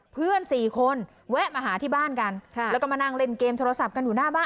เพื่อนสี่คนแวะมาหาที่บ้านกันแล้วก็มานั่งเล่นเกมโทรศัพท์กันอยู่หน้าบ้าน